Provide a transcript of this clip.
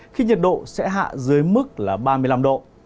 khi nhiệt độ sẽ hạ dưới mức là ba mươi năm độ